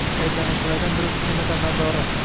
Ayblanuvchilardan biri hukumat amaldori